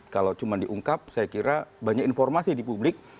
kalau cuma diungkap saya kira banyak informasi di publik